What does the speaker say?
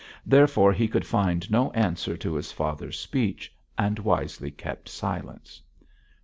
Therefore, he could find no answer to his father's speech, and wisely kept silence.